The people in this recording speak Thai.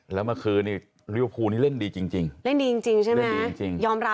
แล้วเมื่อคืนนี่เรียบพูนี่เล่นดีจริง